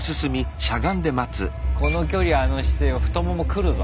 この距離あの姿勢は太ももくるぞ。